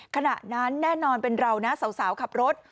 ขณะนั้นแน่นอนเป็นเรานะสาวขับรถ